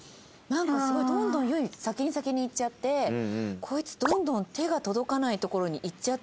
「なんかすごいどんどんユイ先に先に行っちゃってこいつどんどん手が届かないところに行っちゃってるぞ」。